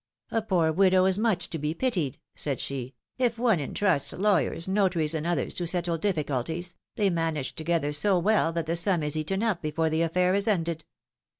poor widow is much to be pitied/^ said she ; if one intrusts lawyers, notaries and others to settle difficulties, they manage together so well that the sum is eaten up before the affair is ended.